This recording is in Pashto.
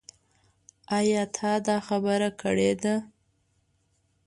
ايا تا دا خبره کړې ده ؟